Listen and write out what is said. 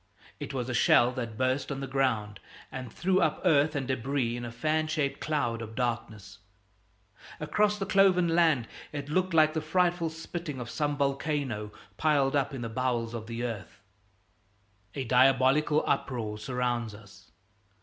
It was a shell that burst on the ground and threw up earth and debris in a fan shaped cloud of darkness. Across the cloven land it looked like the frightful spitting of some volcano, piled up in the bowels of the earth. A diabolical uproar surrounds us.